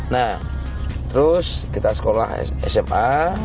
nah terus kita sekolah sma